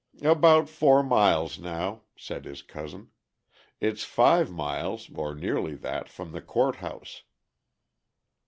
"About four miles now," said his cousin. "It's five miles, or nearly that, from the Court House."